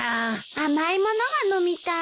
甘い物が飲みたい。